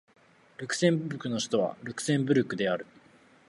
ルクセンブルクの首都はルクセンブルクである